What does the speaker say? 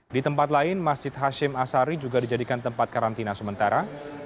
di tempat lain masjid hashim asari juga dijadikan tempat karantina sementara